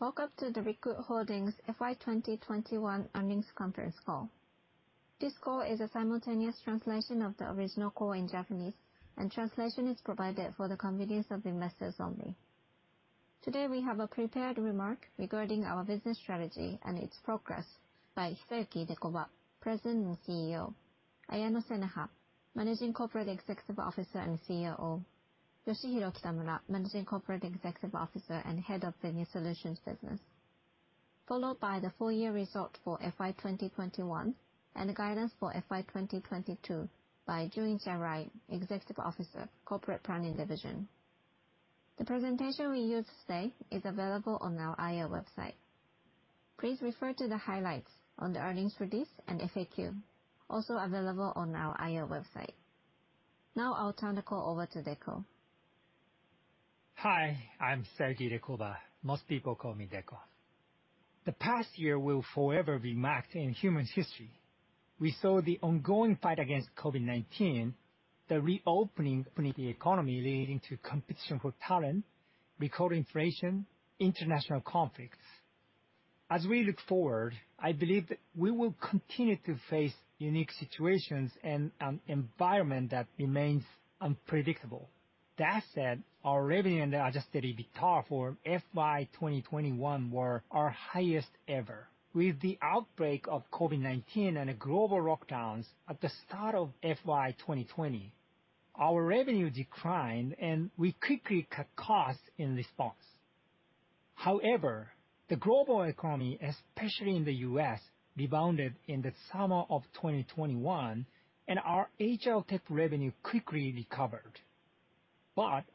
Welcome to the Recruit Holdings FY 2021 earnings conference call. This call is a simultaneous translation of the original call in Japanese, and translation is provided for the convenience of investors only. Today, we have a prepared remark regarding our business strategy and its progress by Hisayuki Idekoba, President and CEO, Ayano Senaha, Managing Corporate Executive Officer and COO, Yoshihiro Kitamura, Managing Corporate Executive Officer and Head of the New Solutions Business, followed by the full year result for FY 2021 and the guidance for FY 2022 by Junichi Arai, Executive Officer, Corporate Planning Division. The presentation we use today is available on our IR website. Please refer to the highlights on the earnings release and FAQ, also available on our IR website. Now I'll turn the call over to Idekoba. Hi, I'm Hisayuki Idekoba. Most people call me Deko. The past year will forever be marked in human history. We saw the ongoing fight against COVID-19, the reopening of the economy leading to competition for talent, record inflation, international conflicts. As we look forward, I believe that we will continue to face unique situations and an environment that remains unpredictable. That said, our revenue and adjusted EBITDA for FY 2021 were our highest ever. With the outbreak of COVID-19 and global lockdowns at the start of FY 2020, our revenue declined, and we quickly cut costs in response. However, the global economy, especially in the U.S., rebounded in the summer of 2021, and our HR tech revenue quickly recovered.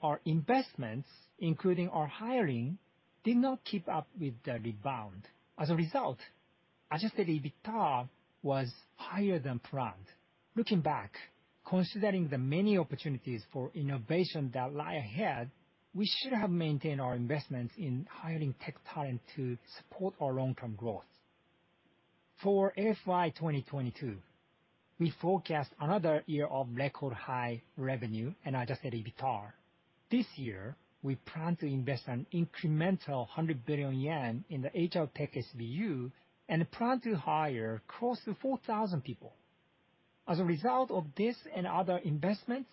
Our investments, including our hiring, did not keep up with the rebound. As a result, adjusted EBITDA was higher than planned. Looking back, considering the many opportunities for innovation that lie ahead, we should have maintained our investments in hiring tech talent to support our long-term growth. For FY 2022, we forecast another year of record high revenue and adjusted EBITDA. This year, we plan to invest an incremental 100 billion yen in the HR Tech SBU and plan to hire close to 4,000 people. As a result of this and other investments,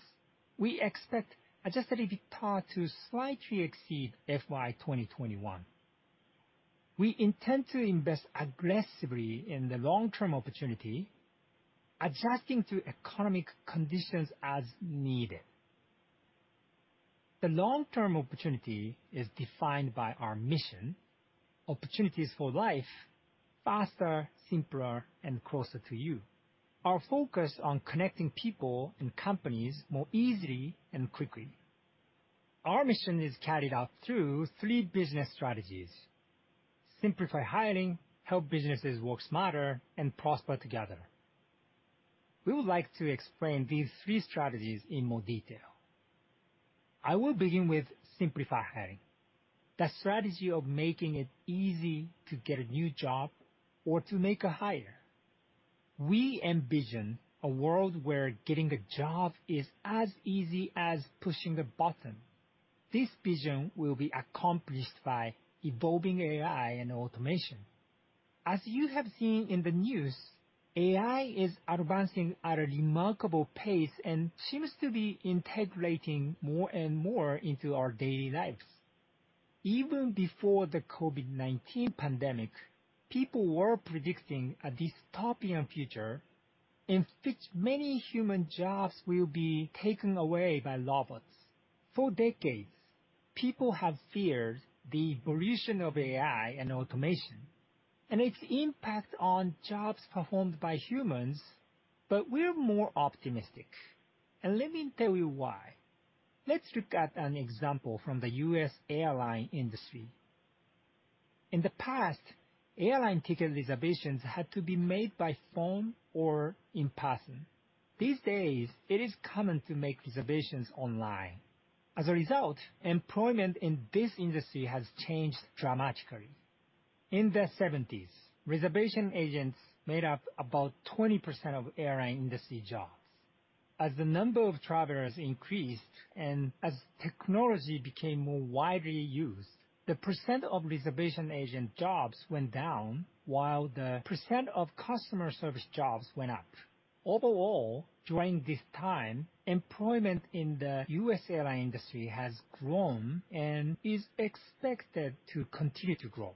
we expect adjusted EBITDA to slightly exceed FY 2021. We intend to invest aggressively in the long-term opportunity, adjusting to economic conditions as needed. The long-term opportunity is defined by our mission, opportunities for life, faster, simpler, and closer to you. Our focus on connecting people and companies more easily and quickly. Our mission is carried out through three business strategies, simplify hiring, help businesses work smarter, and prosper together. We would like to explain these three strategies in more detail. I will begin with simplify hiring, the strategy of making it easy to get a new job or to make a hire. We envision a world where getting a job is as easy as pushing a button. This vision will be accomplished by evolving AI and automation. As you have seen in the news, AI is advancing at a remarkable pace and seems to be integrating more and more into our daily lives. Even before the COVID-19 pandemic, people were predicting a dystopian future in which many human jobs will be taken away by robots. For decades, people have feared the evolution of AI and automation and its impact on jobs performed by humans, but we're more optimistic. Let me tell you why. Let's look at an example from the U.S. airline industry. In the past, airline ticket reservations had to be made by phone or in person. These days, it is common to make reservations online. As a result, employment in this industry has changed dramatically. In the 1970s, reservation agents made up about 20% of airline industry jobs. As the number of travelers increased and as technology became more widely used, the percent of reservation agent jobs went down while the percent of customer service jobs went up. Overall, during this time, employment in the U.S. airline industry has grown and is expected to continue to grow.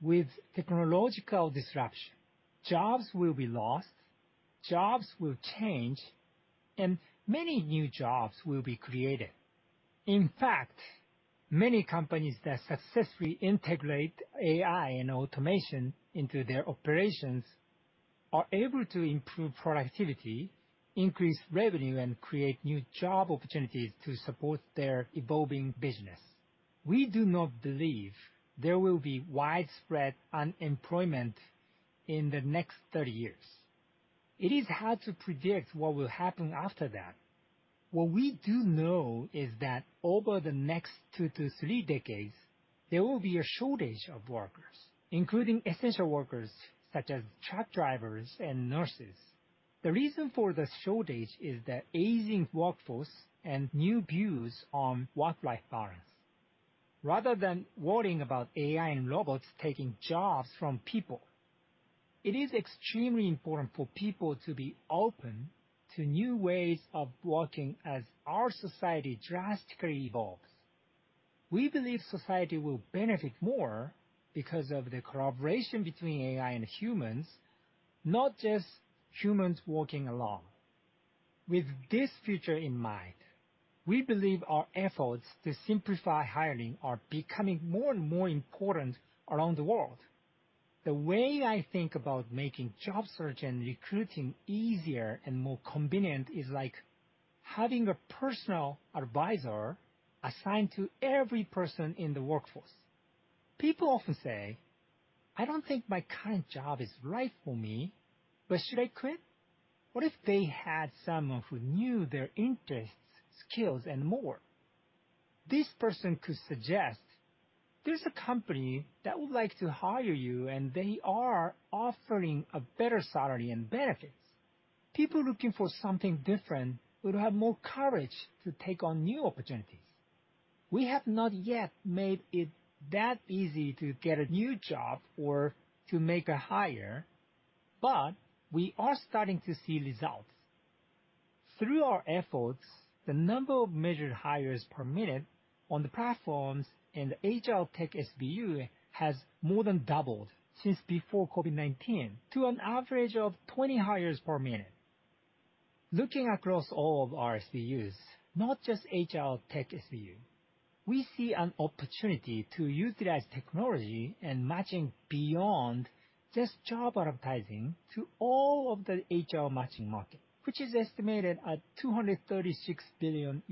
With technological disruption, jobs will be lost, jobs will change, and many new jobs will be created. In fact, many companies that successfully integrate AI and automation into their operations are able to improve productivity, increase revenue, and create new job opportunities to support their evolving business. We do not believe there will be widespread unemployment in the next 30 years. It is hard to predict what will happen after that. What we do know is that over the next 2 to 3 decades, there will be a shortage of workers, including essential workers such as truck drivers and nurses. The reason for the shortage is the aging workforce and new views on work-life balance. Rather than worrying about AI and robots taking jobs from people, it is extremely important for people to be open to new ways of working as our society drastically evolves. We believe society will benefit more because of the collaboration between AI and humans, not just humans working alone. With this future in mind, we believe our efforts to simplify hiring are becoming more and more important around the world. The way I think about making job search and recruiting easier and more convenient is like having a personal advisor assigned to every person in the workforce. People often say, "I don't think my current job is right for me, but should I quit?" What if they had someone who knew their interests, skills, and more? This person could suggest, "There's a company that would like to hire you, and they are offering a better salary and benefits." People looking for something different would have more courage to take on new opportunities. We have not yet made it that easy to get a new job or to make a hire, but we are starting to see results. Through our efforts, the number of measured hires per minute on the platforms in the HR Tech SBU has more than doubled since before COVID-19 to an average of 20 hires per minute. Looking across all of our SBUs, not just HR Tech SBU, we see an opportunity to utilize technology and matching beyond just job advertising to all of the HR matching market, which is estimated at $236 billion.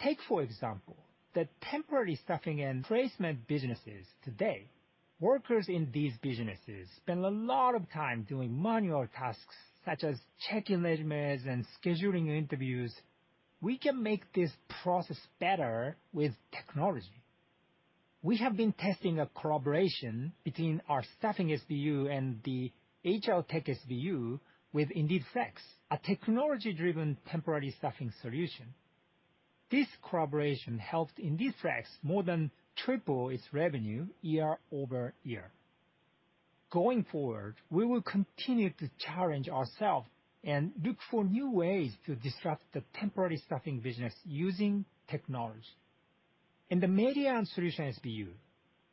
Take, for example, the temporary staffing and placement businesses today. Workers in these businesses spend a lot of time doing manual tasks such as checking resumes and scheduling interviews. We can make this process better with technology. We have been testing a collaboration between our staffing SBU and the HR Tech SBU with Indeed Flex, a technology-driven temporary staffing solution. This collaboration helped Indeed Flex more than triple its revenue year over year. Going forward, we will continue to challenge ourselves and look for new ways to disrupt the temporary staffing business using technology. In the Media & Solutions SBU,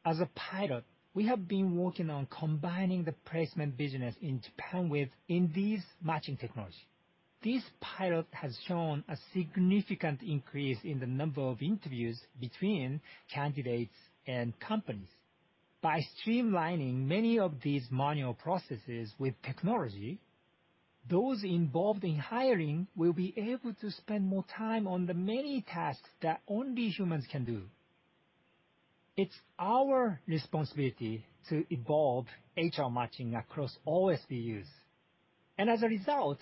as a pilot, we have been working on combining the placement business in Japan with Indeed's matching technology. This pilot has shown a significant increase in the number of interviews between candidates and companies. By streamlining many of these manual processes with technology, those involved in hiring will be able to spend more time on the many tasks that only humans can do. It's our responsibility to evolve HR matching across all SBUs, and as a result,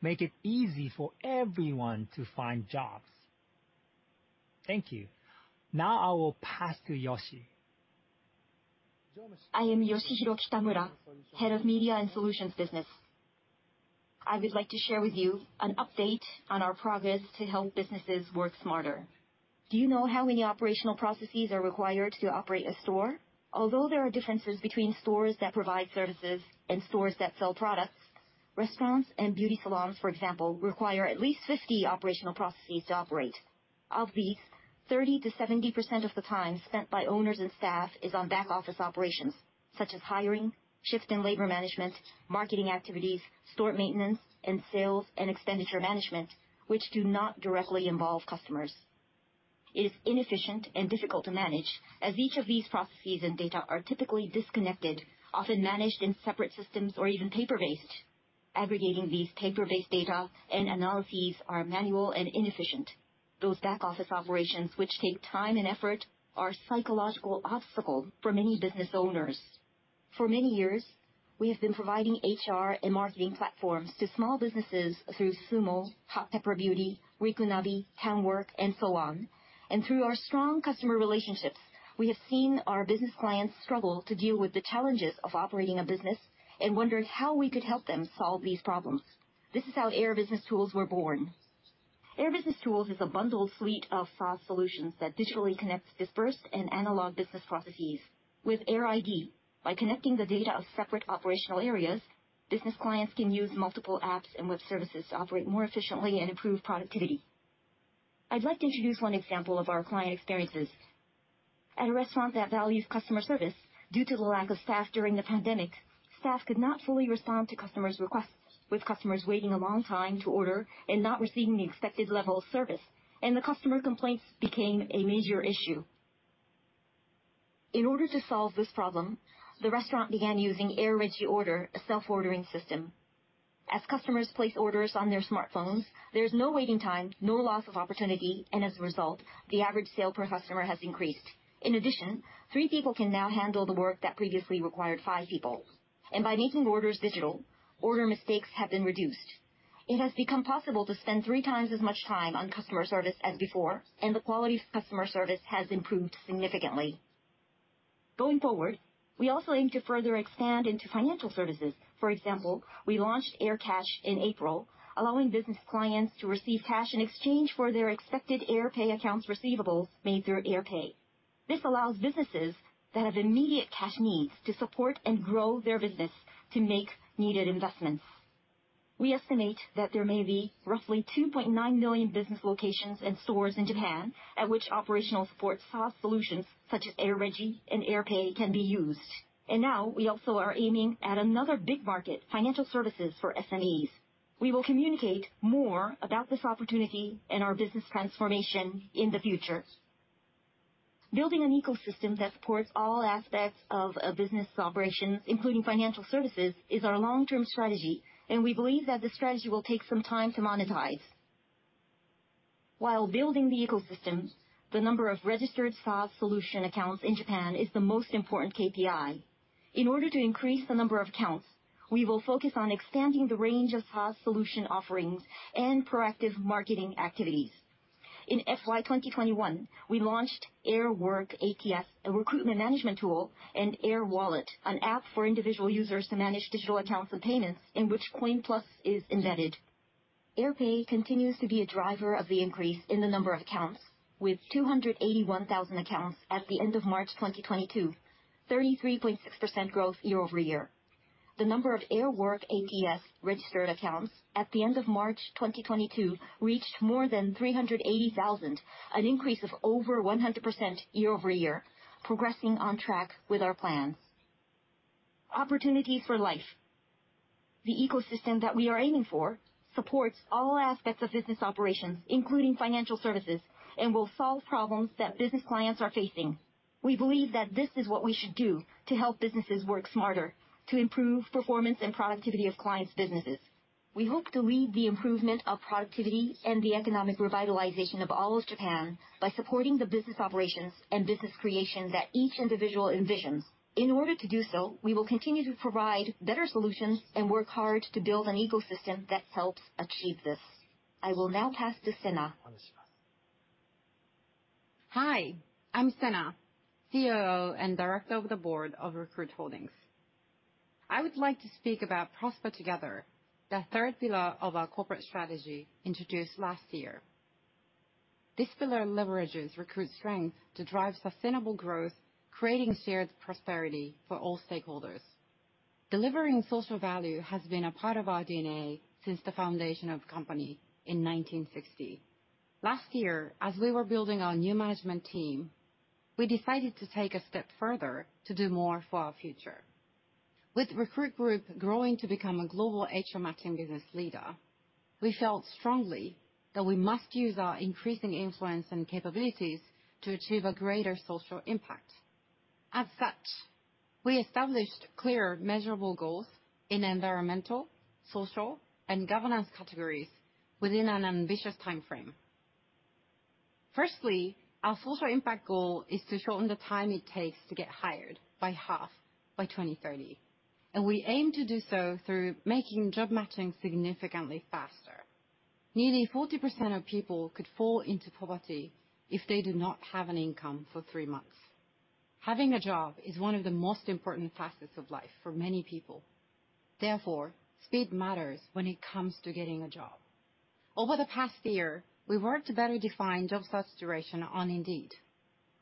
make it easy for everyone to find jobs. Thank you. Now I will pass to Yoshi. I am Yoshihiro Kitamura, Head of Media & Solutions Business. I would like to share with you an update on our progress to help businesses work smarter. Do you know how many operational processes are required to operate a store? Although there are differences between stores that provide services and stores that sell products, restaurants and beauty salons, for example, require at least 50 operational processes to operate. Of these, 30%-70% of the time spent by owners and staff is on back-office operations such as hiring, shift and labor management, marketing activities, store maintenance, and sales and expenditure management, which do not directly involve customers. It is inefficient and difficult to manage as each of these processes and data are typically disconnected, often managed in separate systems or even paper-based. Aggregating these paper-based data and analyses are manual and inefficient. Those back-office operations, which take time and effort, are a psychological obstacle for many business owners. For many years, we have been providing HR and marketing platforms to small businesses through SUUMO, Hot Pepper Beauty, Rikunabi, Townwork, and so on. Through our strong customer relationships, we have seen our business clients struggle to deal with the challenges of operating a business and wondered how we could help them solve these problems. This is how Air BusinessTools were born. Air BusinessTools is a bundled suite of SaaS solutions that digitally connects dispersed and analog business processes. With Air ID, by connecting the data of separate operational areas, business clients can use multiple apps and web services to operate more efficiently and improve productivity. I'd like to introduce one example of our client experiences. At a restaurant that values customer service, due to the lack of staff during the pandemic, staff could not fully respond to customers' requests, with customers waiting a long time to order and not receiving the expected level of service. The customer complaints became a major issue. In order to solve this problem, the restaurant began using AirREGI Order, a self-ordering system. As customers place orders on their smartphones, there's no waiting time, no loss of opportunity, and as a result, the average sale per customer has increased. In addition, three people can now handle the work that previously required five people. By making orders digital, order mistakes have been reduced. It has become possible to spend three times as much time on customer service as before, and the quality of customer service has improved significantly. Going forward, we also aim to further expand into financial services. For example, we launched AirCASH in April, allowing business clients to receive cash in exchange for their expected AirPAY accounts receivables made through AirPAY. This allows businesses that have immediate cash needs to support and grow their business to make needed investments. We estimate that there may be roughly 2.9 million business locations and stores in Japan at which operational support SaaS solutions such as AirREGI and AirPAY can be used. Now we also are aiming at another big market, financial services for SMEs. We will communicate more about this opportunity and our business transformation in the future. Building an ecosystem that supports all aspects of a business operation, including financial services, is our long-term strategy, and we believe that the strategy will take some time to monetize. While building the ecosystems, the number of registered SaaS solution accounts in Japan is the most important KPI. In order to increase the number of accounts, we will focus on expanding the range of SaaS solution offerings and proactive marketing activities. In FY 2021, we launched AirWORK ATS, a recruitment management tool, and AirWALLET, an app for individual users to manage digital accounts and payments in which COIN+ is embedded. AirPAY continues to be a driver of the increase in the number of accounts with 281,000 accounts at the end of March 2022, 33.6% growth year-over-year. The number of AirWORK ATS registered accounts at the end of March 2022 reached more than 380,000, an increase of over 100% year-over-year, progressing on track with our plans. Opportunity for life. The ecosystem that we are aiming for supports all aspects of business operations, including financial services, and will solve problems that business clients are facing. We believe that this is what we should do to help businesses work smarter to improve performance and productivity of clients' businesses. We hope to lead the improvement of productivity and the economic revitalization of all of Japan by supporting the business operations and business creation that each individual envisions. In order to do so, we will continue to provide better solutions and work hard to build an ecosystem that helps achieve this. I will now pass to Senaha. Hi, I'm Ayano Senaha, CEO and director of the board of Recruit Holdings. I would like to speak about Prosper Together, the third pillar of our corporate strategy introduced last year. This pillar leverages Recruit's strength to drive sustainable growth, creating shared prosperity for all stakeholders. Delivering social value has been a part of our DNA since the foundation of the company in 1960. Last year, as we were building our new management team, we decided to take a step further to do more for our future. With Recruit Group growing to become a global HR matching business leader, we felt strongly that we must use our increasing influence and capabilities to achieve a greater social impact. As such, we established clear, measurable goals in environmental, social, and governance categories within an ambitious time frame. Firstly, our social impact goal is to shorten the time it takes to get hired by half by 2030, and we aim to do so through making job matching significantly faster. Nearly 40% of people could fall into poverty if they do not have an income for three months. Having a job is one of the most important facets of life for many people. Therefore, speed matters when it comes to getting a job. Over the past year, we've worked to better define job search duration on Indeed.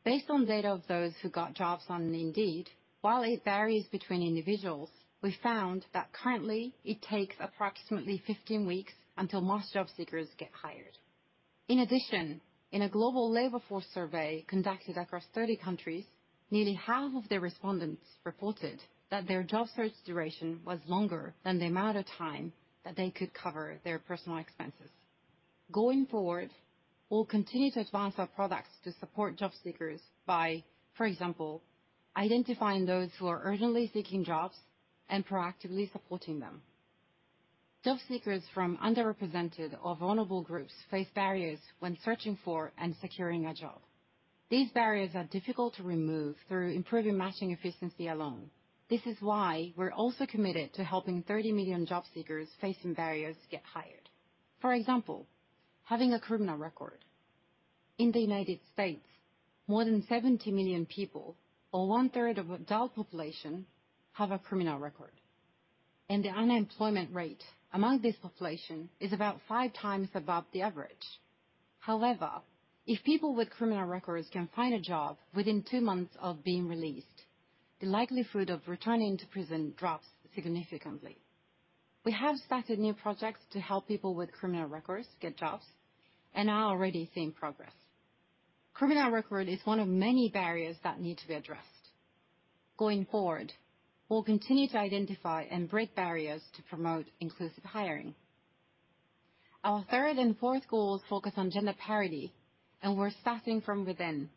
Based on data of those who got jobs on Indeed, while it varies between individuals, we found that currently it takes approximately 15 weeks until most job seekers get hired. In addition, in a global labor force survey conducted across 30 countries, nearly half of the respondents reported that their job search duration was longer than the amount of time that they could cover their personal expenses. Going forward, we'll continue to advance our products to support job seekers by, for example, identifying those who are urgently seeking jobs and proactively supporting them. Job seekers from underrepresented or vulnerable groups face barriers when searching for and securing a job. These barriers are difficult to remove through improving matching efficiency alone. This is why we're also committed to helping 30 million job seekers facing barriers to get hired. For example, having a criminal record. In the United States, more than 70 million people, or one-third of adult population, have a criminal record, and the unemployment rate among this population is about five times above the average. However, if people with criminal records can find a job within two months of being released, the likelihood of returning to prison drops significantly. We have started new projects to help people with criminal records get jobs and are already seeing progress. Criminal record is one of many barriers that need to be addressed. Going forward, we'll continue to identify and break barriers to promote inclusive hiring. Our third and fourth goals focus on gender parity, and we're starting from within.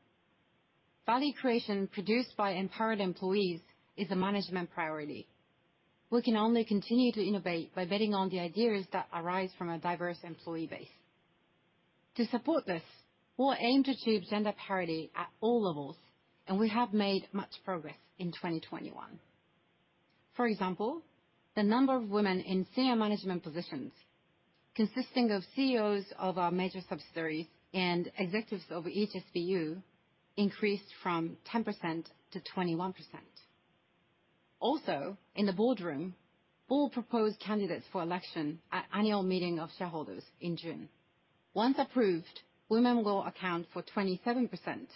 Value creation produced by empowered employees is a management priority. We can only continue to innovate by betting on the ideas that arise from a diverse employee base. To support this, we'll aim to achieve gender parity at all levels, and we have made much progress in 2021. For example, the number of women in senior management positions consisting of CEOs of our major subsidiaries and executives of each SBU increased from 10% to 21%. Also, in the boardroom, all proposed candidates for election at annual meeting of shareholders in June. Once approved, women will account for 27%,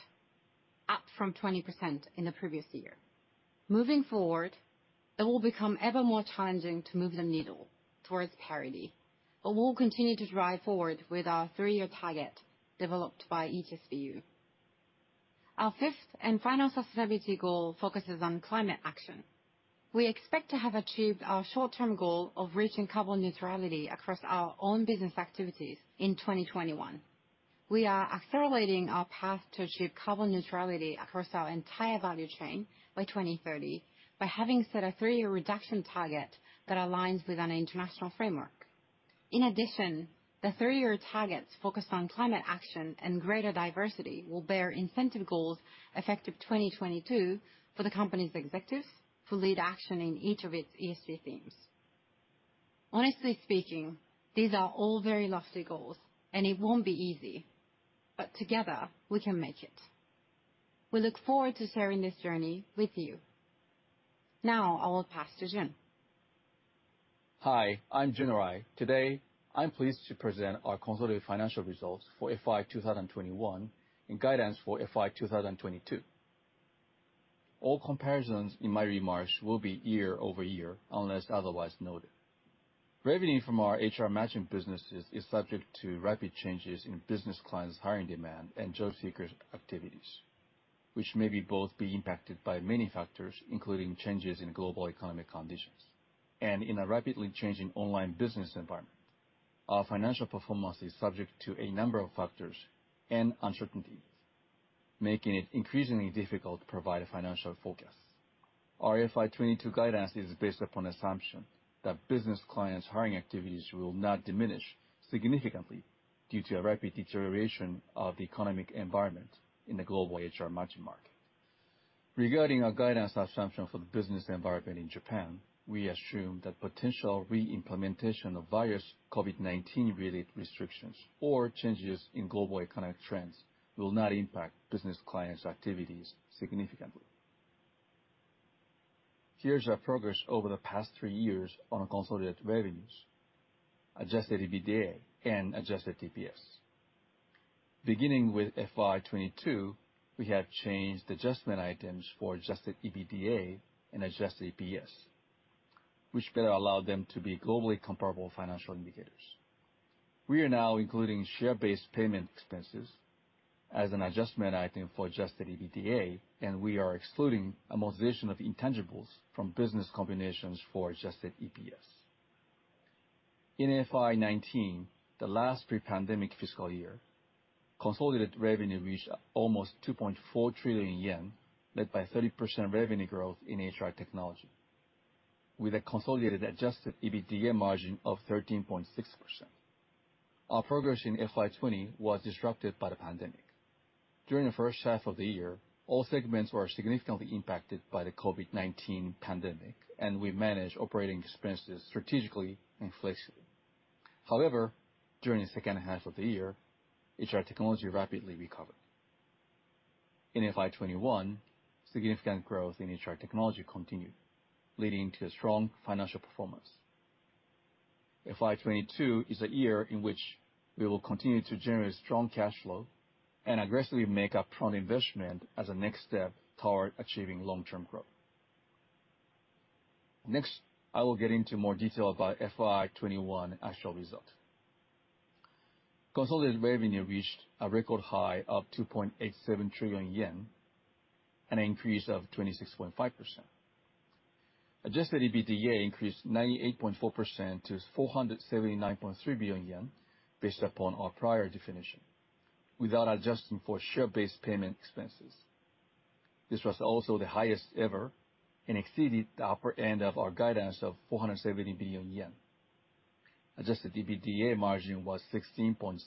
up from 20% in the previous year. Moving forward, it will become ever more challenging to move the needle towards parity, but we'll continue to drive forward with our three-year target developed by each SBU. Our fifth and final sustainability goal focuses on climate action. We expect to have achieved our short-term goal of reaching carbon neutrality across our own business activities in 2021. We are accelerating our path to achieve carbon neutrality across our entire value chain by 2030 by having set a three-year reduction target that aligns with an international framework. In addition, the three-year targets focused on climate action and greater diversity will bear incentive goals effective 2022 for the company's executives who lead action in each of its ESG themes. Honestly speaking, these are all very lofty goals, and it won't be easy, but together, we can make it. We look forward to sharing this journey with you. Now I will pass to Jun Arai. Hi, I'm Junichi Arai. Today, I'm pleased to present our consolidated financial results for FY 2021 and guidance for FY 2022. All comparisons in my remarks will be year-over-year, unless otherwise noted. Revenue from our HR matching businesses is subject to rapid changes in business clients' hiring demand and job seekers' activities, which may both be impacted by many factors, including changes in global economic conditions. In a rapidly changing online business environment, our financial performance is subject to a number of factors and uncertainties, making it increasingly difficult to provide a financial forecast. Our FY 2022 guidance is based upon assumption that business clients' hiring activities will not diminish significantly due to a rapid deterioration of the economic environment in the global HR matching market. Regarding our guidance assumption for the business environment in Japan, we assume that potential re-implementation of various COVID-19-related restrictions or changes in global economic trends will not impact business clients' activities significantly. Here's our progress over the past three years on consolidated revenues, adjusted EBITDA, and adjusted EPS. Beginning with FY 2022, we have changed the adjustment items for adjusted EBITDA and adjusted EPS, which better allow them to be globally comparable financial indicators. We are now including share-based payment expenses as an adjustment item for adjusted EBITDA, and we are excluding amortization of intangibles from business combinations for adjusted EPS. In FY 2019, the last pre-pandemic fiscal year, consolidated revenue reached almost 2.4 trillion yen, led by 30% revenue growth in HR technology, with a consolidated adjusted EBITDA margin of 13.6%. Our progress in FY 2020 was disrupted by the pandemic. During the first half of the year, all segments were significantly impacted by the COVID-19 pandemic, and we managed operating expenses strategically and flexibly. However, during the second half of the year, HR technology rapidly recovered. In FY 2021, significant growth in HR technology continued, leading to strong financial performance. FY 2022 is a year in which we will continue to generate strong cash flow and aggressively make upfront investment as a next step toward achieving long-term growth. Next, I will get into more detail about FY 2021 actual result. Consolidated revenue reached a record high of 2.87 trillion yen, an increase of 26.5%. Adjusted EBITDA increased 98.4% to 479.3 billion yen based upon our prior definition, without adjusting for share-based payment expenses. This was also the highest ever and exceeded the upper end of our guidance of 470 billion yen. Adjusted EBITDA margin was 16.7%.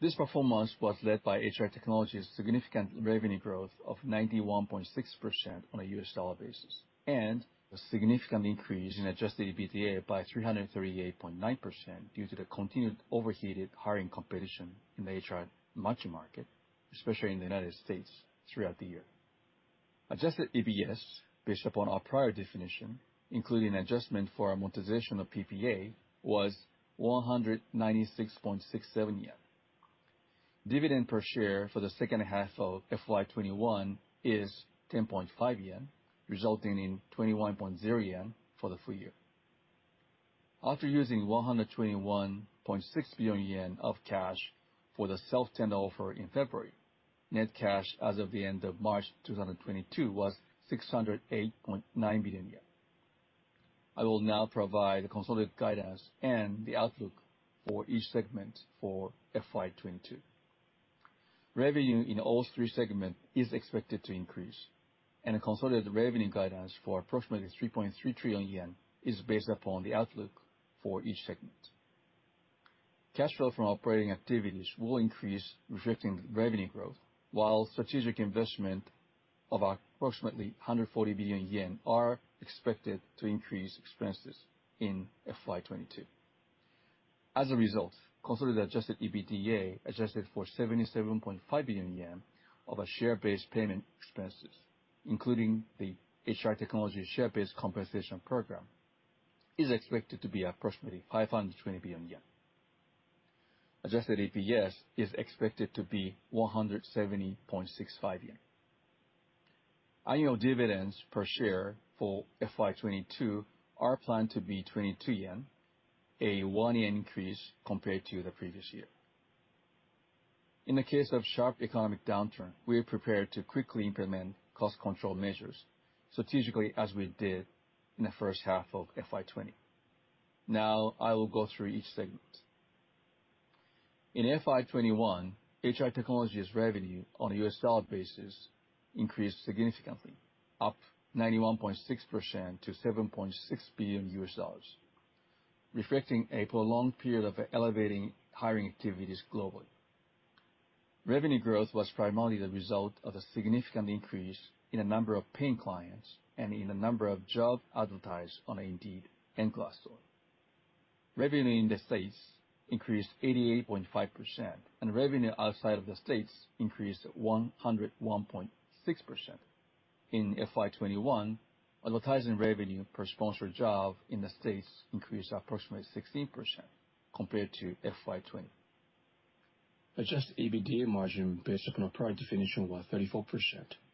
This performance was led by HR Technologies' significant revenue growth of 91.6% on a US dollar basis and a significant increase in adjusted EBITDA by 338.9% due to the continued overheated hiring competition in the HR matching market, especially in the United States throughout the year. Adjusted EPS based upon our prior definition, including adjustment for amortization of PPA, was 196.67 yen. Dividend per share for the second half of FY 2021 is 10.5 yen, resulting in 21.0 yen for the full year. After using 121.6 billion yen of cash for the self-tender offer in February, net cash as of the end of March 2022 was 608.9 billion yen. I will now provide the consolidated guidance and the outlook for each segment for FY 2022. Revenue in all three segments is expected to increase, and a consolidated revenue guidance for approximately 3.3 trillion yen is based upon the outlook for each segment. Cash flow from operating activities will increase, reflecting revenue growth, while strategic investment of approximately 140 billion yen are expected to increase expenses in FY 2022. As a result, consolidated adjusted EBITDA, adjusted for 77.5 billion yen of a share-based payment expenses, including the HR technology share-based compensation program, is expected to be approximately 520 billion yen. Adjusted EPS is expected to be 170.65 yen. Annual dividends per share for FY 2022 are planned to be 22 yen, a 1 yen increase compared to the previous year. In the case of sharp economic downturn, we are prepared to quickly implement cost control measures strategically as we did in the first half of FY 2020. Now I will go through each segment. In FY 2021, HR Technology revenue on a US dollar basis increased significantly, up 91.6% to $7.6 billion, reflecting a prolonged period of elevating hiring activities globally. Revenue growth was primarily the result of a significant increase in the number of paying clients and in the number of jobs advertised on Indeed and Glassdoor. Revenue in the States increased 88.5%, and revenue outside of the States increased 101.6%. In FY 2021, advertising revenue per sponsored job in the States increased approximately 16% compared to FY 2020. Adjusted EBITDA margin based upon a prior definition was 34%,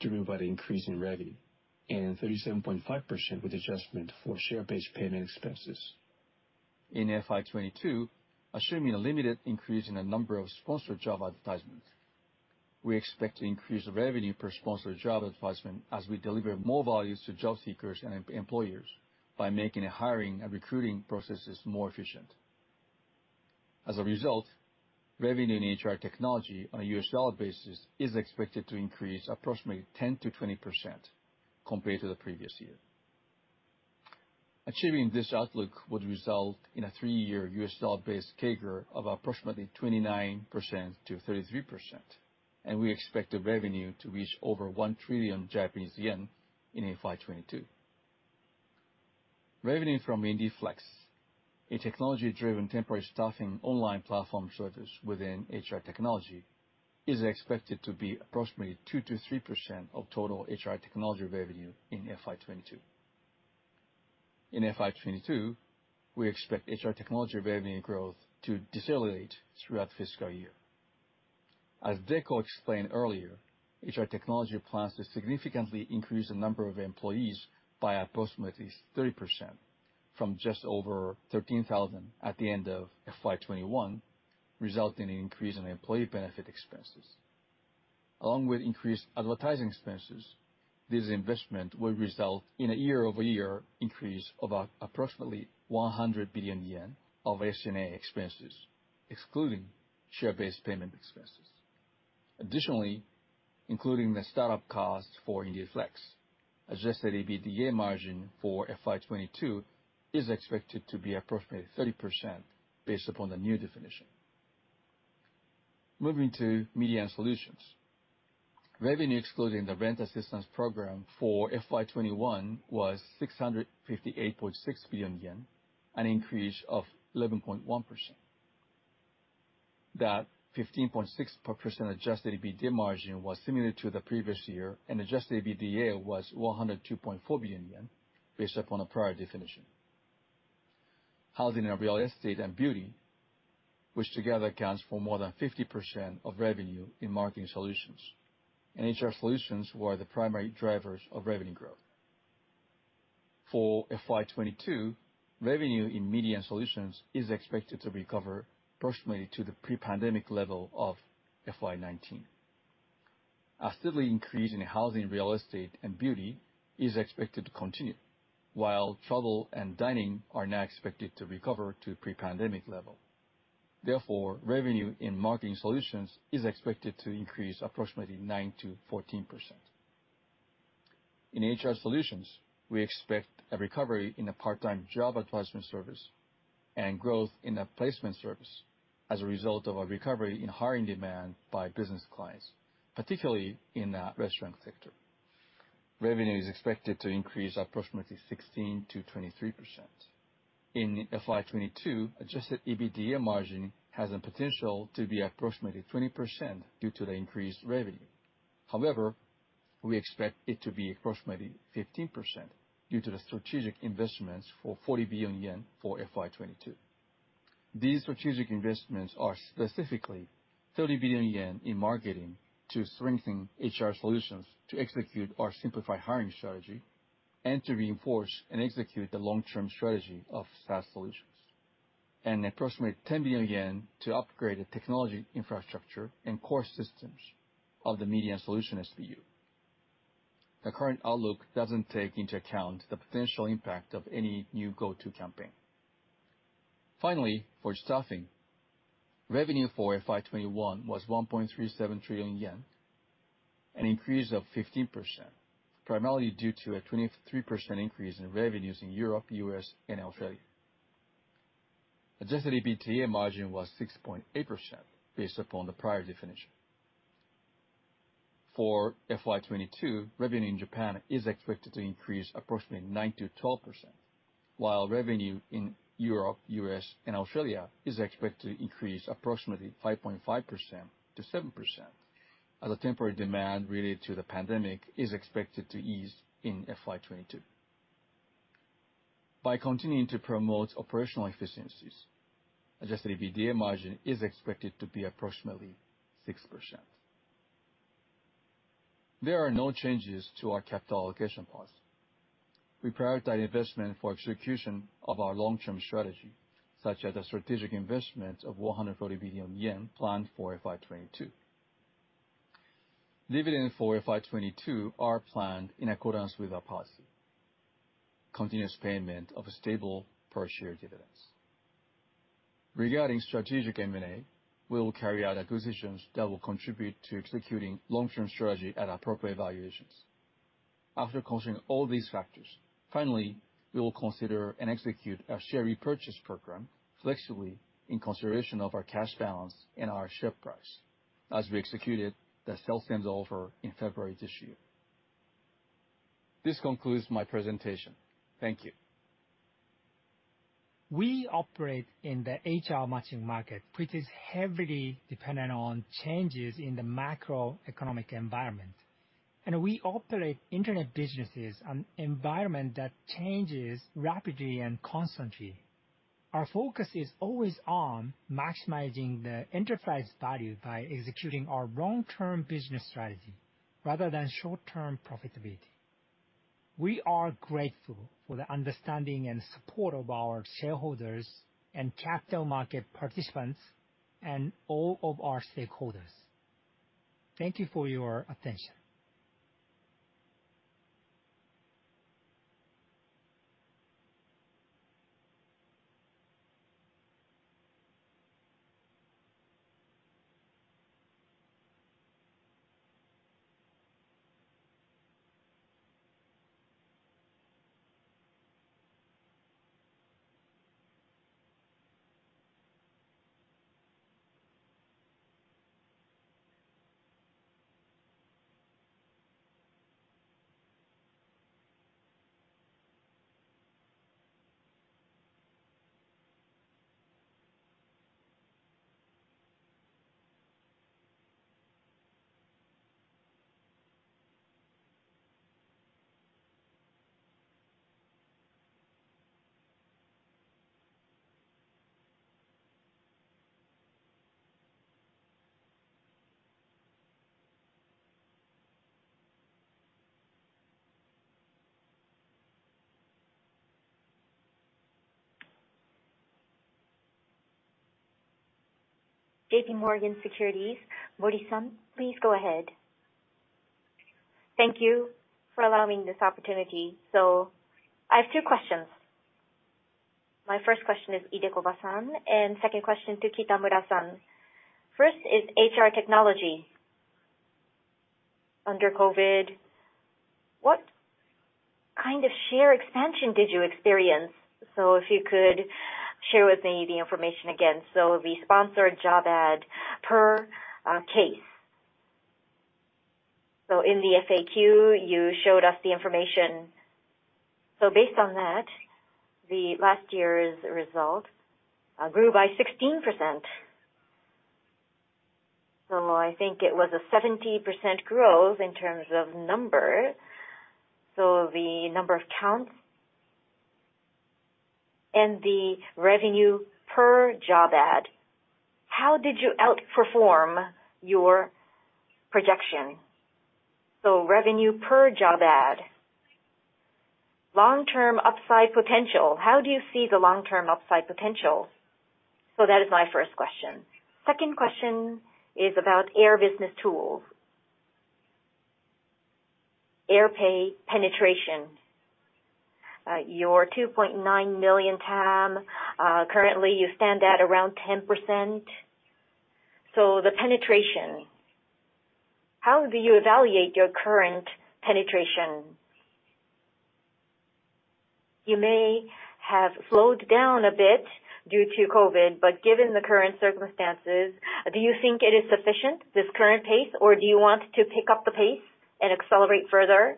driven by the increase in revenue, and 37.5% with adjustment for share-based payment expenses. In FY 2022, assuming a limited increase in the number of sponsored job advertisements, we expect to increase revenue per sponsored job advertisement as we deliver more values to job seekers and employers by making the hiring and recruiting processes more efficient. As a result, revenue in HR technology on a US dollar basis is expected to increase approximately 10%-20% compared to the previous year. Achieving this outlook would result in a three-year US dollar-based CAGR of approximately 29%-33%, and we expect the revenue to reach over 1 trillion Japanese yen in FY 2022. Revenue from Indeed Flex, a technology-driven temporary staffing online platform service within HR Technology, is expected to be approximately 2%-3% of total HR Technology revenue in FY 2022. In FY 2022, we expect HR Technology revenue growth to decelerate throughout the fiscal year. As Deko explained earlier, HR Technology plans to significantly increase the number of employees by approximately 30% from just over 13,000 at the end of FY 2021, resulting in increase in employee benefit expenses. Along with increased advertising expenses, this investment will result in a year-over-year increase of approximately 100 billion yen of SG&A expenses, excluding share-based payment expenses. Additionally, including the start-up costs for Indeed Flex, adjusted EBITDA margin for FY 2022 is expected to be approximately 30% based upon the new definition. Moving to Media & Solutions. Revenue excluding the rent assistance program for FY 2021 was 658.6 billion yen, an increase of 11.1%. That 15.6% adjusted EBITDA margin was similar to the previous year, and adjusted EBITDA was 102.4 billion yen based upon a prior definition. Housing and real estate and beauty, which together accounts for more than 50% of revenue in Marketing Solutions and HR Solutions, were the primary drivers of revenue growth. For FY 2022, revenue in Media & Solutions is expected to recover approximately to the pre-pandemic level of FY 2019. A steady increase in housing and real estate and beauty is expected to continue, while travel and dining are now expected to recover to pre-pandemic level. Therefore, revenue in Marketing Solutions is expected to increase approximately 9%-14%. In HR Solutions, we expect a recovery in the part-time job advertisement service and growth in the placement service as a result of a recovery in hiring demand by business clients, particularly in the restaurant sector. Revenue is expected to increase approximately 16%-23%. In FY 2022, adjusted EBITDA margin has the potential to be approximately 20% due to the increased revenue. However, we expect it to be approximately 15% due to the strategic investments for 40 billion yen for FY 2022. These strategic investments are specifically 30 billion yen in marketing to strengthen HR Solutions, to execute our simplified hiring strategy, and to reinforce and execute the long-term strategy of SaaS solutions, and approximate 10 billion yen to upgrade the technology infrastructure and core systems of the Media & Solutions SBU. The current outlook doesn't take into account the potential impact of any new Go To campaign. For staffing, revenue for FY 2021 was 1.37 trillion yen. An increase of 15%, primarily due to a 23% increase in revenues in Europe, U.S. and Australia. Adjusted EBITDA margin was 6.8% based upon the prior definition. For FY 2022, revenue in Japan is expected to increase approximately 9%-12%, while revenue in Europe, US, and Australia is expected to increase approximately 5.5%-7%, as the temporary demand related to the pandemic is expected to ease in FY 2022. By continuing to promote operational efficiencies, adjusted EBITDA margin is expected to be approximately 6%. There are no changes to our capital allocation policy. We prioritize investment for execution of our long-term strategy, such as a strategic investment of 140 billion yen planned for FY 2022. Dividends for FY 2022 are planned in accordance with our policy, continuous payment of stable per-share dividends. Regarding strategic M&A, we will carry out acquisitions that will contribute to executing long-term strategy at appropriate valuations. After considering all these factors, finally, we will consider and execute our share repurchase program flexibly in consideration of our cash balance and our share price, as we executed the self-tender offer in February this year. This concludes my presentation. Thank you. We operate in the HR matching market, which is heavily dependent on changes in the macroeconomic environment, and we operate internet businesses, an environment that changes rapidly and constantly. Our focus is always on maximizing the enterprise value by executing our long-term business strategy rather than short-term profitability. We are grateful for the understanding and support of our shareholders and capital market participants and all of our stakeholders. Thank you for your attention. J.P. Morgan Securities, Mori-san, please go ahead. Thank you for allowing this opportunity. I have two questions. My first question is Idekoba-san, and second question to Kitamura-san. First is HR technology. Under COVID, what kind of share expansion did you experience? If you could share with me the information again. The sponsored job ad per case. In the FAQ, you showed us the information. Based on that, the last year's result grew by 16%. I think it was a 70% growth in terms of number. The number of accounts and the revenue per job ad, how did you outperform your projection? Revenue per job ad. Long-term upside potential. How do you see the long-term upside potential? That is my first question. Second question is about Air BusinessTools. AirPAY penetration. Your 2.9 million TAM. Currently you stand at around 10%. The penetration, how do you evaluate your current penetration? You may have slowed down a bit due to COVID, but given the current circumstances, do you think it is sufficient, this current pace, or do you want to pick up the pace and accelerate further?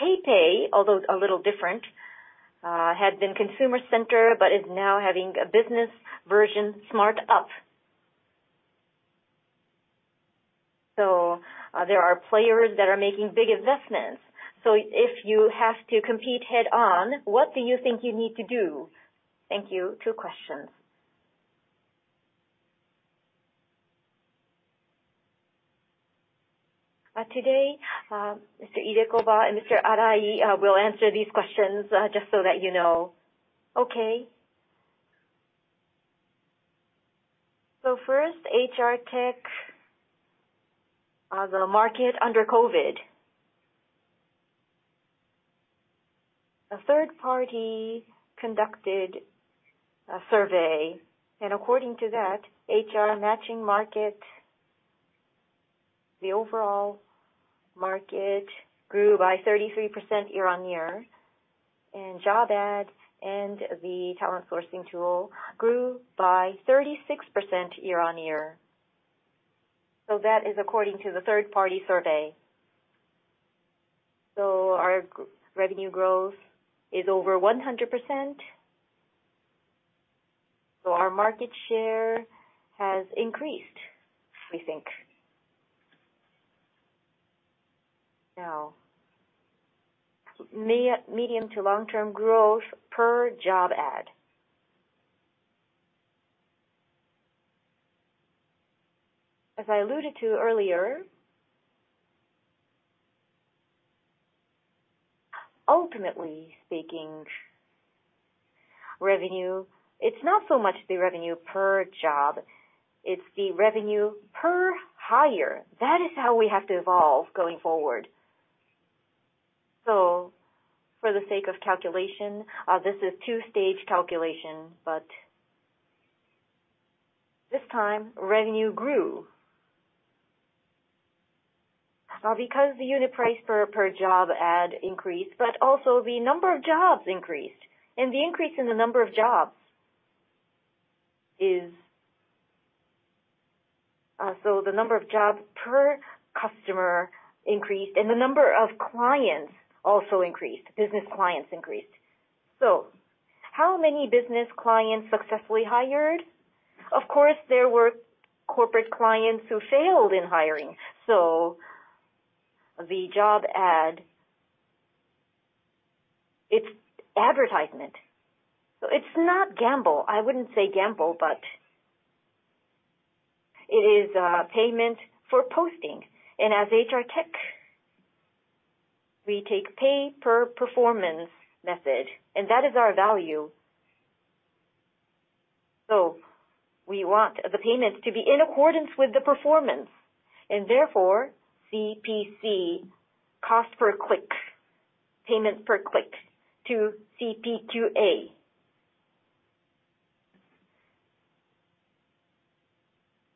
PayPay, although a little different, had been consumer-centered but is now having a business version start up. There are players that are making big investments. If you have to compete head on, what do you think you need to do? Thank you. Two questions. Today, Mr. Hisayuki Idekoba and Mr. Junichi Arai will answer these questions, just so that you know. Okay. First, HR tech, the market under COVID. A third party conducted a survey, and according to that, HR matching market, the overall market grew by 33% year-on-year, and job ad and the talent sourcing tool grew by 36% year-on-year. That is according to the third party survey. Our gross revenue growth is over 100%. Our market share has increased, we think. Now, medium to long-term growth per job ad. As I alluded to earlier, ultimately speaking, revenue, it's not so much the revenue per job, it's the revenue per hire. That is how we have to evolve going forward. For the sake of calculation, this is two-stage calculation, but this time revenue grew. Because the unit price per job ad increased, but also the number of jobs increased. The increase in the number of jobs is... The number of jobs per customer increased, and the number of clients also increased. Business clients increased. How many business clients successfully hired? Of course, there were corporate clients who failed in hiring. The job ad, it's advertisement. It's not gamble. I wouldn't say gamble, but it is, payment for posting. As HR tech, we take pay per performance method, and that is our value. We want the payments to be in accordance with the performance, and therefore CPC, cost per click, payment per click to CPQA.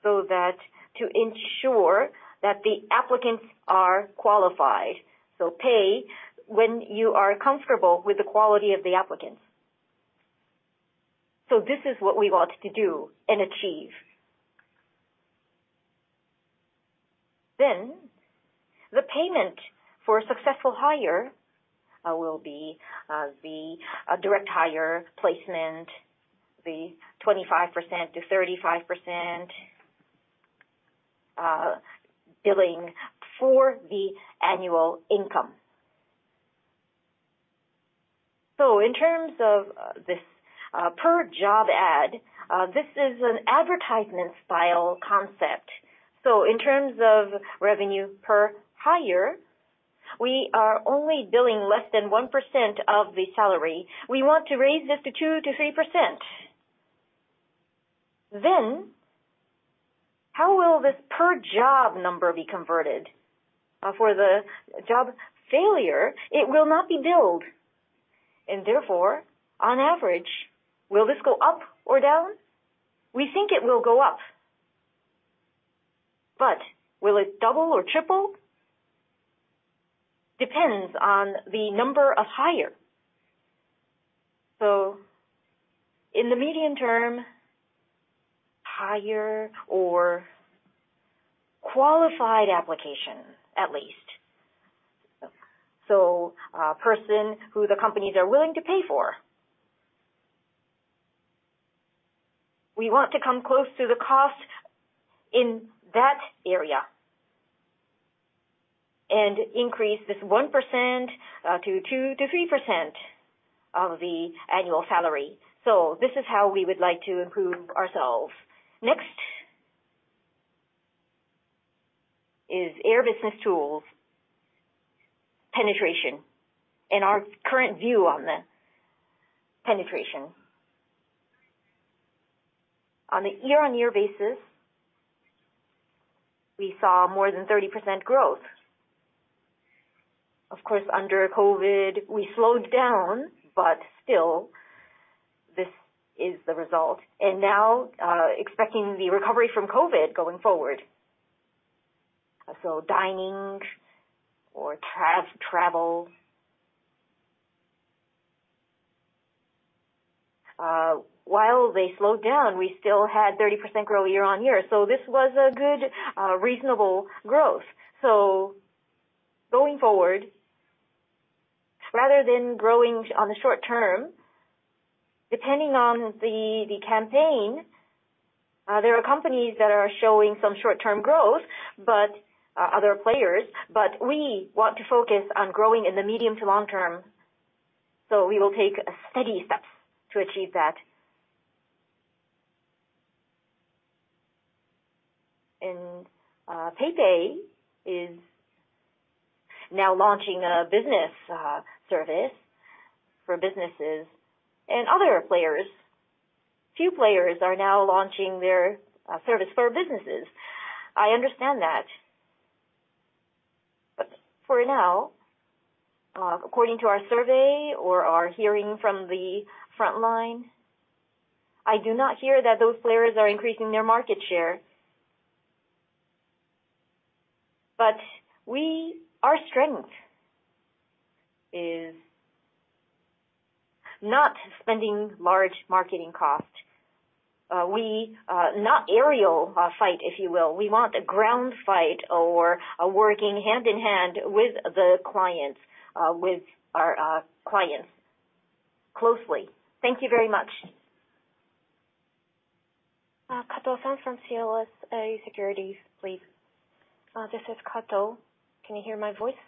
That to ensure that the applicants are qualified, so pay when you are comfortable with the quality of the applicants. This is what we want to do and achieve. The payment for a successful hire will be the direct hire placement, the 25%-35% billing for the annual income. In terms of this, per job ad, this is an advertisement style concept. In terms of revenue per hire, we are only billing less than 1% of the salary. We want to raise this to 2%-3%. How will this per job number be converted? For the job failure, it will not be billed. Therefore, on average, will this go up or down? We think it will go up. Will it double or triple? Depends on the number of hire. In the medium term hire or qualified application, at least. A person who the companies are willing to pay for. We want to come close to the cost in that area and increase this 1% to 2%-3% of the annual salary. This is how we would like to improve ourselves. Next is Air BusinessTools penetration and our current view on the penetration. On a year-on-year basis, we saw more than 30% growth. Of course, under COVID, we slowed down, but still this is the result. Now, expecting the recovery from COVID going forward. Dining or travel. While they slowed down, we still had 30% growth year-on-year, so this was a good, reasonable growth. Going forward, rather than growing on the short term, depending on the campaign, there are companies that are showing some short-term growth, but other players, but we want to focus on growing in the medium to long term. We will take steady steps to achieve that. PayPay is now launching a business service for businesses and other players. Few players are now launching their service for businesses. I understand that. For now, according to our survey or our hearing from the front line, I do not hear that those players are increasing their market share. Our strength is not spending large marketing cost. We not aerial fight, if you will. We want a ground fight or working hand-in-hand with our clients closely. Thank you very much. Kato-san from CLSA Securities, please. This is Kato. Can you hear my voice?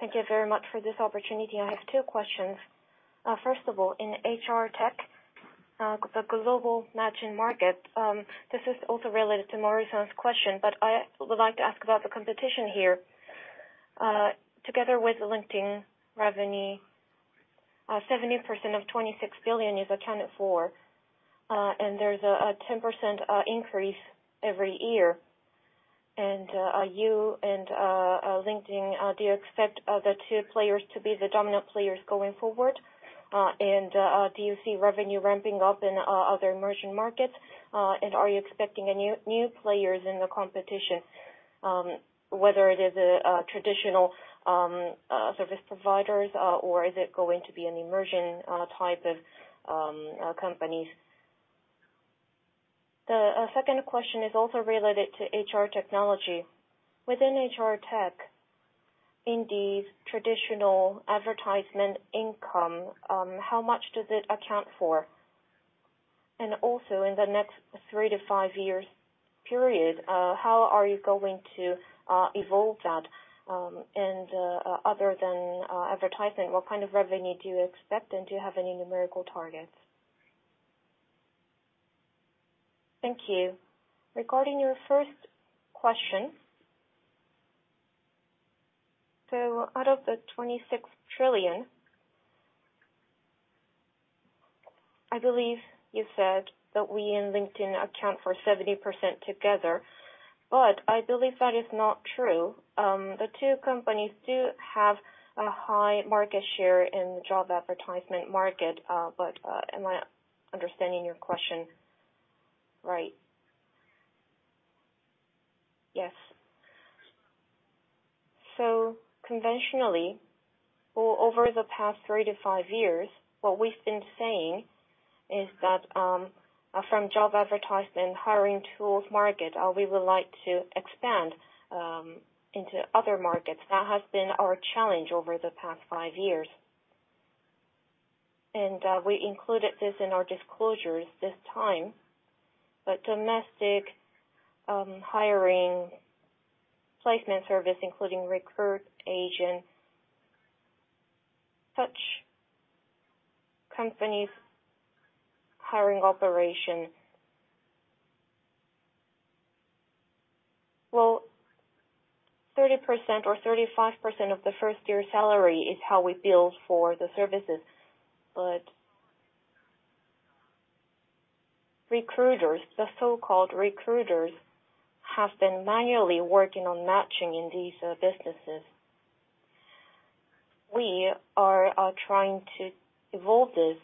Thank you very much for this opportunity. I have two questions. First of all, in HR tech, the global matching market, this is also related to Mori-san's question, but I would like to ask about the competition here. Together with LinkedIn revenue, 70% of $26 billion is accounted for, and there's a 10% increase every year. Indeed and LinkedIn, do you expect the two players to be the dominant players going forward? Do you see revenue ramping up in other emerging markets? Are you expecting new players in the competition, whether it is a traditional service providers or is it going to be an emerging type of companies? The second question is also related to HR technology. Within HR tech, in these traditional advertising income, how much does it account for? Also, in the next three to five years period, how are you going to evolve that? Other than advertising, what kind of revenue do you expect, and do you have any numerical targets? Thank you. Regarding your first question. Out of the JPY 26 trillion, I believe you said that we and LinkedIn account for 70% together, but I believe that is not true. The two companies do have a high market share in the job advertisement market, but am I understanding your question right? Yes. Conventionally or over the past 3-5 years, what we've been saying is that from job advertisement, hiring tools market, we would like to expand into other markets. That has been our challenge over the past five years. We included this in our disclosures this time. Domestic hiring placement service, including RECRUIT AGENT, such companies hiring operation. Well, 30% or 35% of the first year salary is how we bill for the services. Recruiters, the so-called recruiters, have been manually working on matching in these businesses. We are trying to evolve this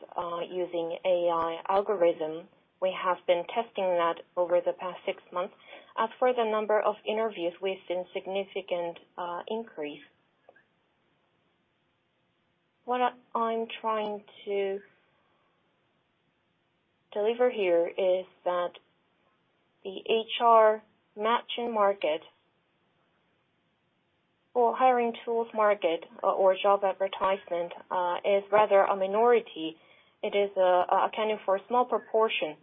using AI algorithm. We have been testing that over the past six months. As for the number of interviews, we've seen significant increase. What I'm trying to deliver here is that the HR matching market or hiring tools market or job advertisement is rather a minority. It is accounting for a small proportion.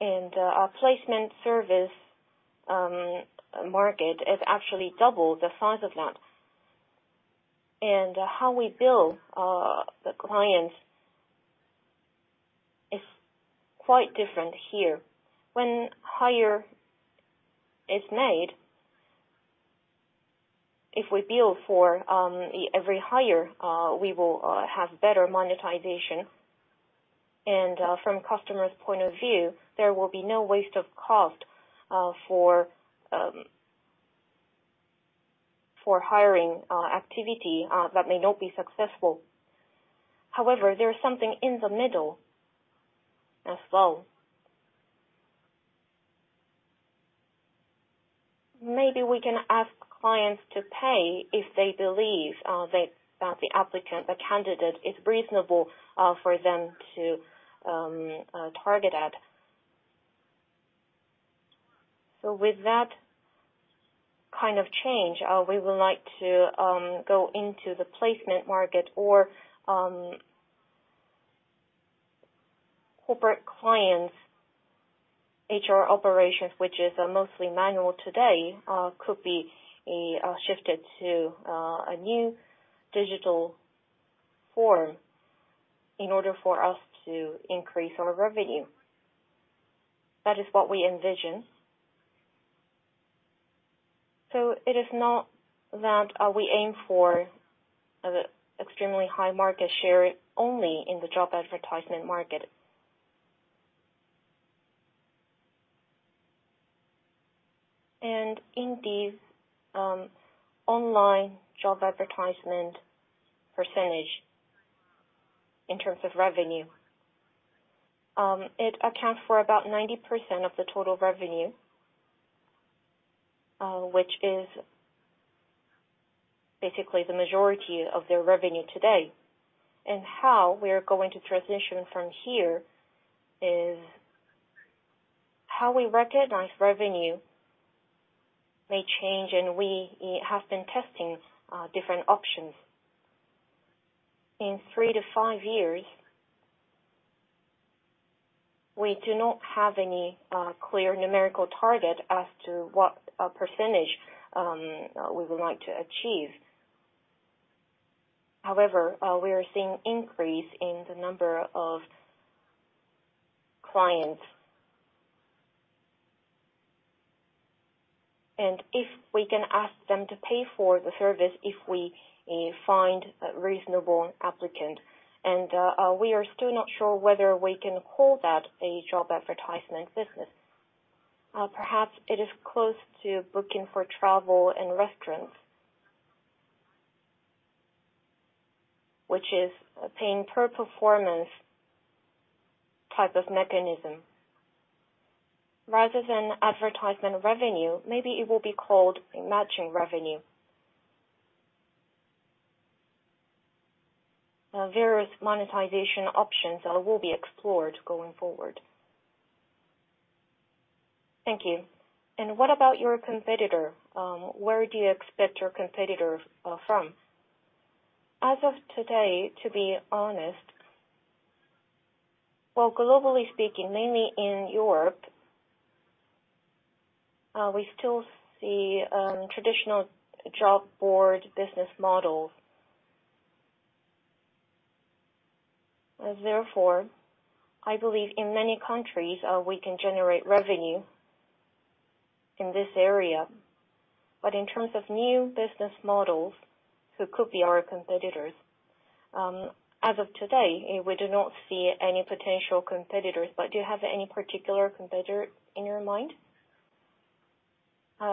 Our placement service market is actually double the size of that. How we bill the clients is quite different here. When hire is made, if we bill for every hire, we will have better monetization. From customers' point of view, there will be no waste of cost for for hiring activity that may not be successful. However, there is something in the middle as well. Maybe we can ask clients to pay if they believe that the applicant, the candidate is reasonable for them to target at. With that kind of change, we would like to go into the placement market or corporate clients' HR operations, which is mostly manual today, could be shifted to a new digital form in order for us to increase our revenue. That is what we envision. It is not that we aim for extremely high market share only in the job advertisement market. In these online job advertisement percentage in terms of revenue, it accounts for about 90% of the total revenue, which is basically the majority of their revenue today. How we are going to transition from here is how we recognize revenue may change, and we have been testing different options. In 3-5 years, we do not have any clear numerical target as to what a percentage we would like to achieve. However, we are seeing increase in the number of clients. If we can ask them to pay for the service if we find a reasonable applicant. We are still not sure whether we can call that a job advertisement business. Perhaps it is close to booking for travel and restaurants, which is paying per performance type of mechanism rather than advertisement revenue. Maybe it will be called matching revenue. Various monetization options will be explored going forward. Thank you. What about your competitor? Where do you expect your competitor from? As of today, to be honest, well, globally speaking, mainly in Europe, we still see traditional job board business models. Therefore, I believe in many countries, we can generate revenue in this area. But in terms of new business models, who could be our competitors, as of today, we do not see any potential competitors, but do you have any particular competitor in your mind?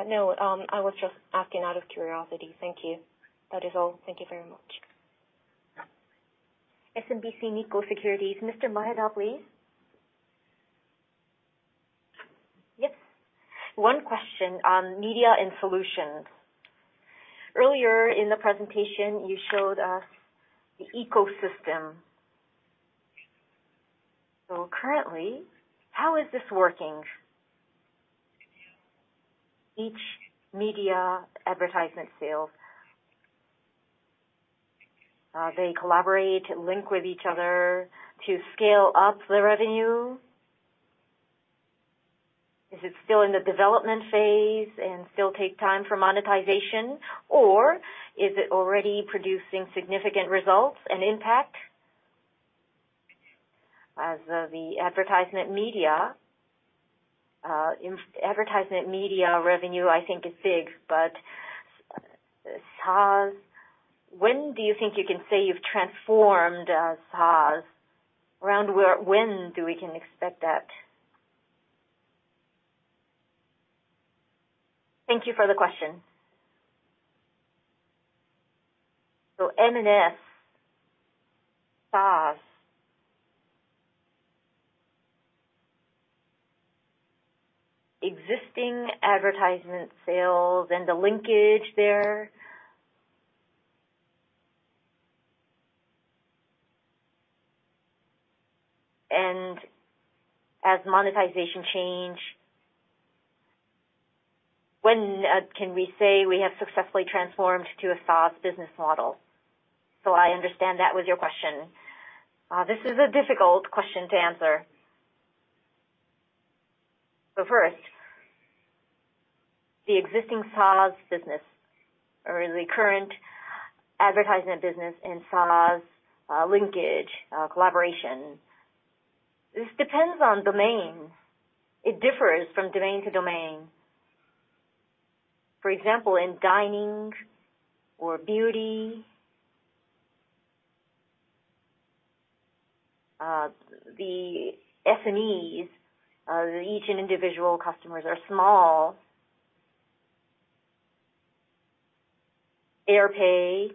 No. I was just asking out of curiosity. Thank you. That is all. Thank you very much. SMBC Nikko Securities, Mr. Maeda, please. Yes. One question on Media & Solutions. Earlier in the presentation, you showed us the ecosystem. Currently, how is this working? Each media advertisement sales, they collaborate, link with each other to scale up the revenue? Is it still in the development phase and still take time for monetization? Or is it already producing significant results and impact? As the advertisement media in advertisement media revenue, I think is big, but SaaS, when do you think you can say you've transformed, SaaS? Around where, when do we can expect that? Thank you for the question. M&S, SaaS. Existing advertisement sales and the linkage there. As monetization change, when can we say we have successfully transformed to a SaaS business model? I understand that was your question. This is a difficult question to answer. First, the existing SaaS business or the current advertisement business and SaaS linkage, collaboration. This depends on domain. It differs from domain to domain. For example, in dining or beauty, the SMEs, each individual customers are small. AirPAY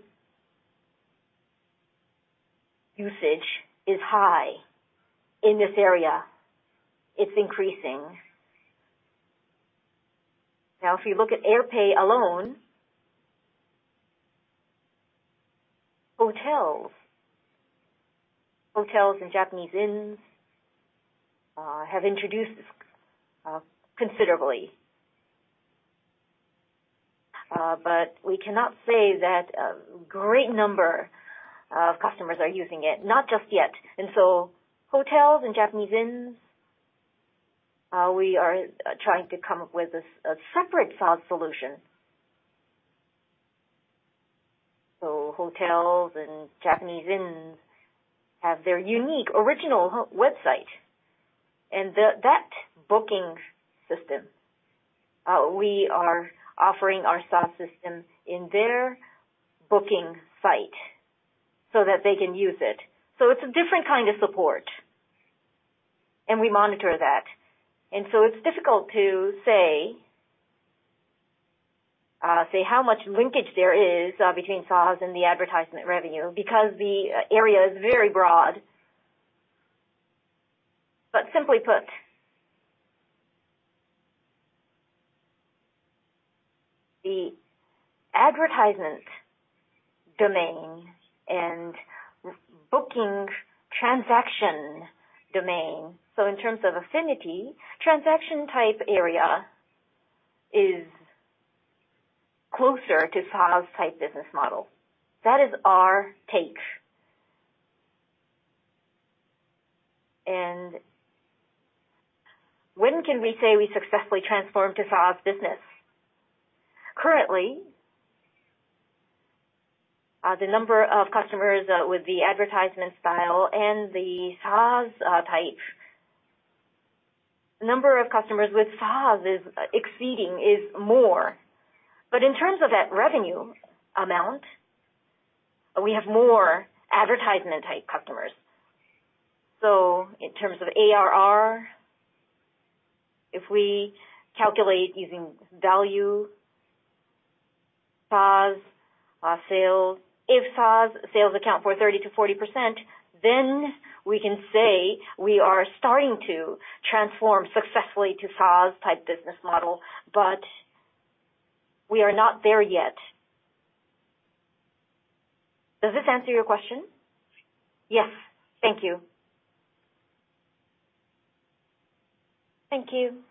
usage is high in this area. It's increasing. Now, if you look at AirPAY alone, hotels. Hotels and Japanese inns have introduced considerably. We cannot say that a great number of customers are using it, not just yet. Hotels and Japanese inns, we are trying to come up with a separate SaaS solution. Hotels and Japanese inns have their unique original website. That booking system, we are offering our SaaS system in their booking site so that they can use it. It's a different kind of support, and we monitor that. It's difficult to say how much linkage there is between SaaS and the advertisement revenue because the area is very broad. Simply put, the advertisement domain and booking transaction domain. In terms of affinity, transaction type area is closer to SaaS type business model. That is our take. When can we say we successfully transform to SaaS business? Currently, the number of customers with the advertisement style and the SaaS type. Number of customers with SaaS is more. In terms of that revenue amount, we have more advertisement type customers. In terms of ARR, if we calculate using value, SaaS sales. If SaaS sales account for 30%-40%, then we can say we are starting to transform successfully to SaaS type business model, but we are not there yet. Does this answer your question? Yes. Thank you. Thank you.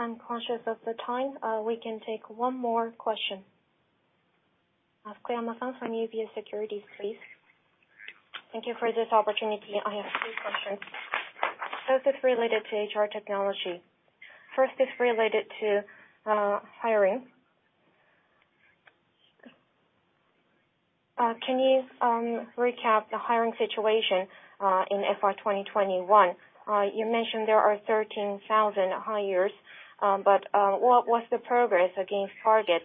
I'm conscious of the time. We can take one more question. Asayama-san from UBS Securities, please. Thank you for this opportunity. I have two questions. Both are related to HR technology. First is related to hiring. Can you recap the hiring situation in FY 2021? You mentioned there are 13,000 hires, but what was the progress against target?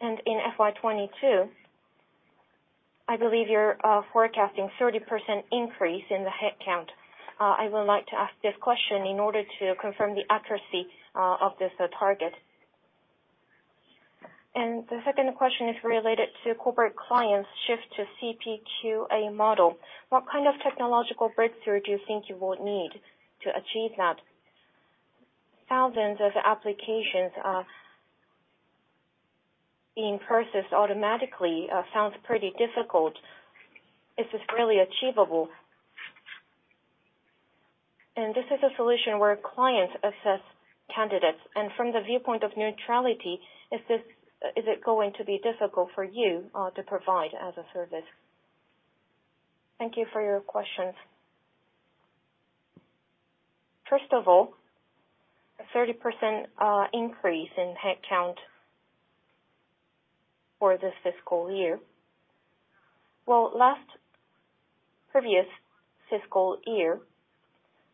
In FY 2022, I believe you're forecasting 30% increase in the headcount. I would like to ask this question in order to confirm the accuracy of this target. The second question is related to corporate clients shift to CPQA model. What kind of technological breakthrough do you think you will need to achieve that? Thousands of applications are being processed automatically, sounds pretty difficult. Is this really achievable? This is a solution where clients assess candidates, and from the viewpoint of neutrality, is it going to be difficult for you to provide as a service? Thank you for your questions. First of all, a 30% increase in headcount for this fiscal year. Well, last previous fiscal year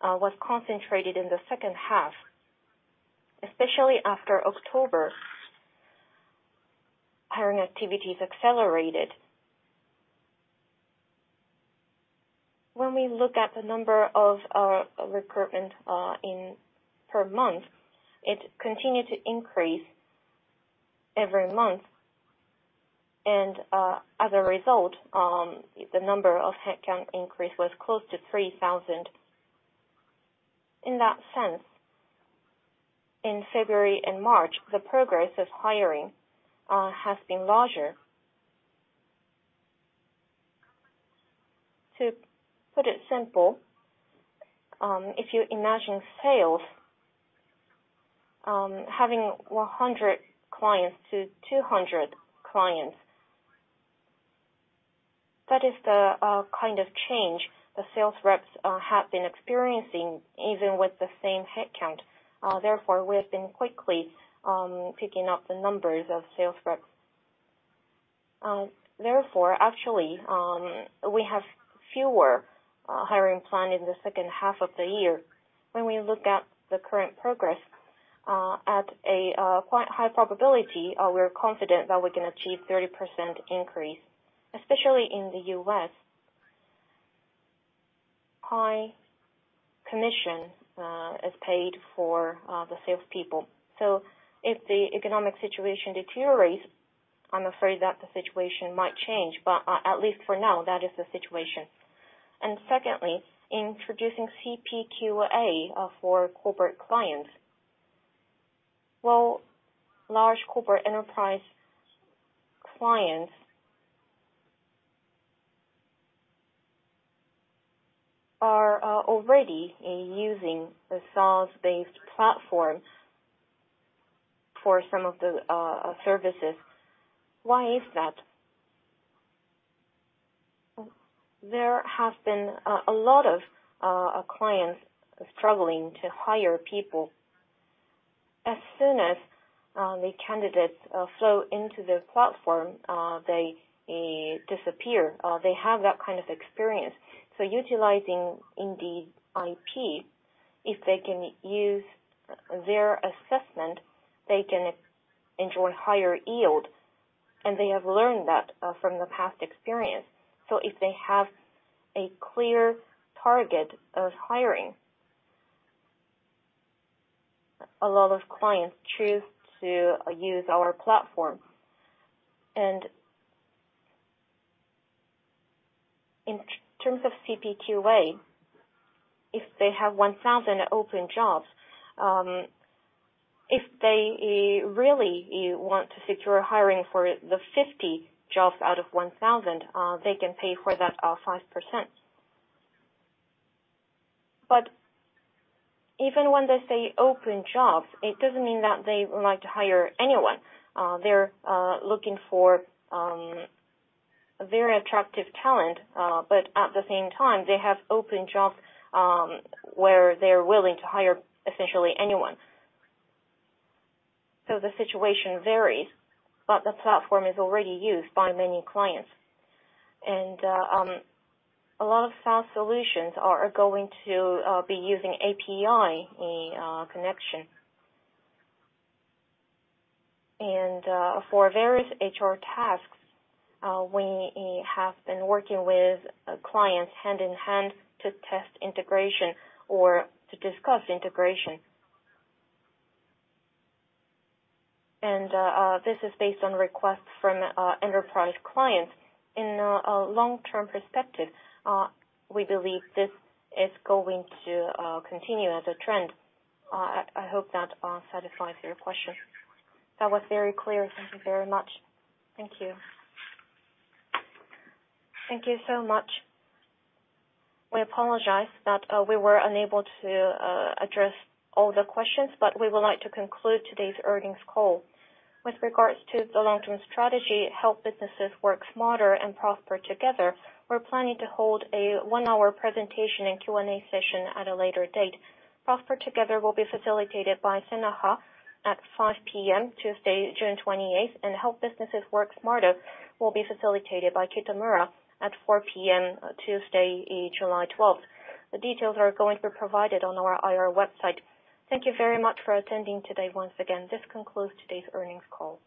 was concentrated in the second half. Especially after October, hiring activities accelerated. When we look at the number of recruitment per month, it continued to increase every month. As a result, the number of headcount increase was close to 3,000. In that sense, in February and March, the progress of hiring has been larger. To put it simple, if you imagine sales, having 100 clients to 200 clients. That is the kind of change the sales reps have been experiencing, even with the same headcount. Therefore, we have been quickly picking up the numbers of sales reps. Therefore, actually, we have fewer hiring plan in the second half of the year. When we look at the current progress, at a quite high probability, we're confident that we can achieve 30% increase. Especially in the U.S., high commission is paid for the salespeople. So if the economic situation deteriorates, I'm afraid that the situation might change. At least for now, that is the situation. Secondly, introducing CPQA for corporate clients. Well, large corporate enterprise clients are already using a SaaS-based platform for some of the services. Why is that? There have been a lot of clients struggling to hire people. As soon as the candidates flow into the platform, they disappear. They have that kind of experience. Utilizing Indeed IP, if they can use their assessment, they can enjoy higher yield, and they have learned that from the past experience. If they have a clear target of hiring, a lot of clients choose to use our platform. In terms of CPQA, if they have 1,000 open jobs, if they really want to secure hiring for the 50 jobs out of 1,000, they can pay for that 5%. Even when they say open jobs, it doesn't mean that they would like to hire anyone. They're looking for a very attractive talent, but at the same time, they have open jobs where they're willing to hire essentially anyone. The situation varies, but the platform is already used by many clients. A lot of SaaS solutions are going to be using API in connection. For various HR tasks, we have been working with clients hand in hand to test integration or to discuss integration. This is based on requests from enterprise clients. In a long-term perspective, we believe this is going to continue as a trend. I hope that satisfies your question. That was very clear. Thank you very much. Thank you. Thank you so much. We apologize that we were unable to address all the questions, but we would like to conclude today's earnings call. With regards to the long-term strategy, Help Businesses Work Smarter and Prosper Together, we're planning to hold a 1-hour presentation and Q&A session at a later date. Prosper Together will be facilitated by Senaha at 5 P.M. Tuesday, June twenty-eighth, and Help Businesses Work Smarter will be facilitated by Kitamura at 4 P.M. Tuesday, July twelfth. The details are going to be provided on our IR website. Thank you very much for attending today once again. This concludes today's earnings call.